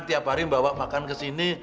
tiap hari membawa makan ke sini